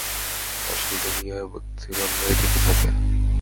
আসল দুনিয়ায়, বুদ্ধিমানরাই টিকে থাকে।